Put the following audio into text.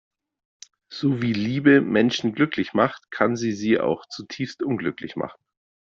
So wie Liebe Menschen glücklich macht, kann sie sie auch zutiefst unglücklich machen.